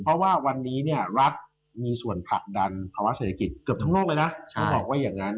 เพราะว่าวันนี้เนี่ยรัฐมีส่วนผลัดดันภาวะเศรษฐกิจเกือบทั้งโลกเลยนะ